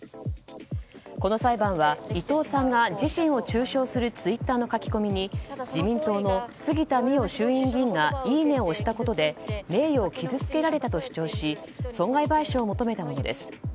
この裁判は伊藤さんが、自身を中傷するツイッターの書き込みに自民党の杉田水脈衆院議員がいいねを押したことで名誉を傷つけられたと主張し損害賠償を求めたものです。